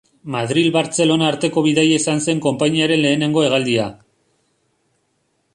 Madril-Bartzelona arteko bidaia izan zen konpainiaren lehengo hegaldia.